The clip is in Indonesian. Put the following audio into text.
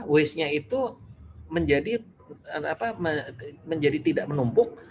waste nya itu menjadi tidak menumpuk